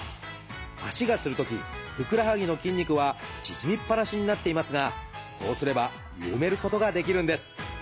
足がつるときふくらはぎの筋肉は縮みっぱなしになっていますがこうすれば緩めることができるんです。